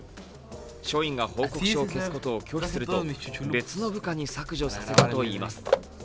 署員が報告書を消すことを拒否すると、別の部下に削除させたといいます。